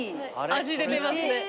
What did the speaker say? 味出てますね。